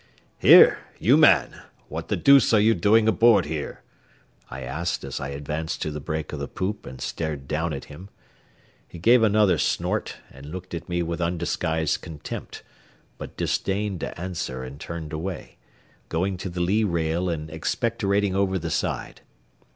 "Here! you man; what the deuce are you doing aboard here?" I asked as I advanced to the break of the poop and stared down at him. He gave another snort, and looked at me with undisguised contempt, but disdained to answer and turned away, going to the lee rail and expectorating over the side.